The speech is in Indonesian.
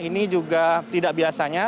ini juga tidak biasanya